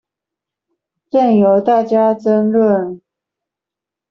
任由大家爭論